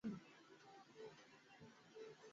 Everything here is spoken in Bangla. ওহ, ওরকথায় মনে পড়ল।